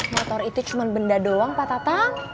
motor itu cuma benda doang pak tatang